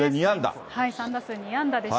３打数２安打でした。